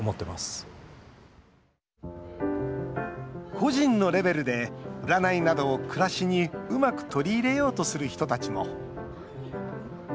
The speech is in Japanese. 個人のレベルで占いなどを暮らしにうまく取り入れようとする人たちも。